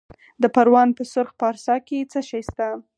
د پروان په سرخ پارسا کې څه شی شته؟